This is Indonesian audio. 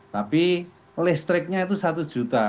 tapi listriknya itu satu juta